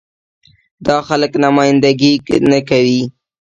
دا خلک نماينده ګي نه کوي.